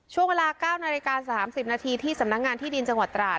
ช่วงเวลา๙นาฬิกา๓๐นาทีที่สำนักงานที่ดินจังหวัดตราด